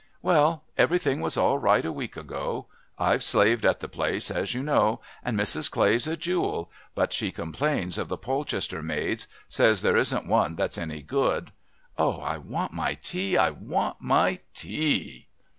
"Well, everything was all right a week ago. I've slaved at the place, as you know, and Mrs. Clay's a jewel but she complains of the Polchester maids says there isn't one that's any good. Oh, I want my tea, I want my tea!"